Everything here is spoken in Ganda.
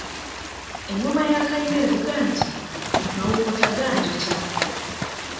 Engoma ya Kayima evuga nti, ‘Mawokota ganjokya’.